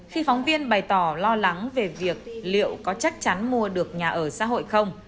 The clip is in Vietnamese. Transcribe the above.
khi phóng viên bày tỏ lo lắng về việc liệu có chắc chắn mua được nhà ở xã hội không